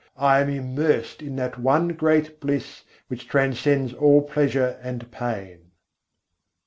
I am immersed in that one great bliss which transcends all pleasure and pain."